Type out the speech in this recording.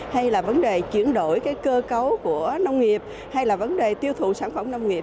hay là vấn đề chuyển đổi cơ cấu của nông nghiệp hay là vấn đề tiêu thụ sản phẩm nông nghiệp